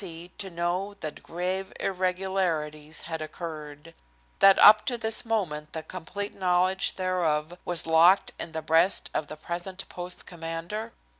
C. to know that grave irregularities had occurred? that up to this moment the complete knowledge thereof was locked in the breast of the present post commander?